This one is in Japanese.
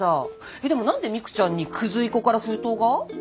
えっでもなんで未来ちゃんに「クズいこ」から封筒が？